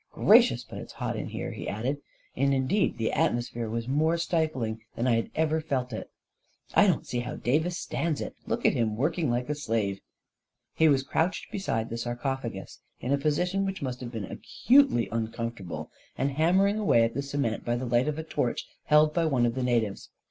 " Gracious but it's hot in here !" he added, and indeed the atmosphere was more stifling than I had ever felt it. " I don't see how Davis stands it Look at him, working like a slave .•." He was crouched beside the sarcophagus, in a position which must have been acutely uncomfort able, and hammering away at the cement by the light of a torch held by one of the natives.